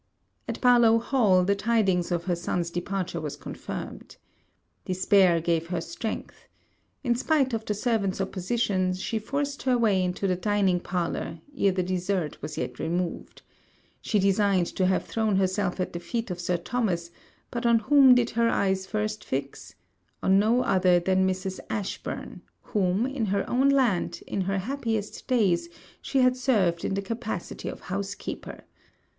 At Barlowe Hall, the tidings of her son's departure was confirmed. Despair gave her strength. In spite of the servants' opposition, she forced her way into the dining parlour, ere the dessert was yet removed. She designed to have thrown herself at the feet of Sir Thomas; but on whom did her eye first fix? on no other than Mrs. Ashburn, whom, in her own land, in her happiest days, she had served in the capacity of housekeeper.